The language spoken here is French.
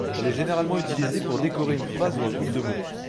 Elle est généralement utilisée pour décorer une phrase ou un groupe de mots.